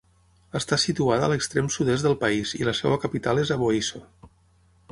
Està situada a l'extrem sud-est del país i la seva capital és Aboisso.